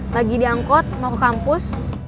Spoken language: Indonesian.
lagi diangkut mau ke kampus